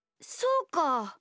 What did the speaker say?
そうか。